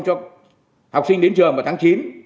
cho học sinh đến trường vào tháng chín